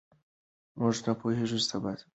موږ نه پوهېږو سبا څه کیږي.